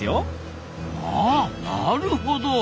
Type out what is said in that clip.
あなるほど！